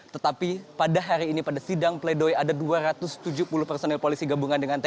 tetapi pada hari ini pada sidang pledoi ada dua ratus tujuh puluh personil polisi gabungan dengan tni